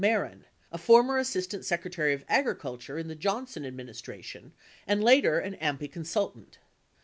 Mehren, a former Assist ant Secretary of Agriculture in the Johnson administration and later an AMPI consultant.